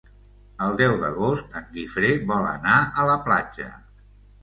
El deu d'agost en Guifré vol anar a la platja.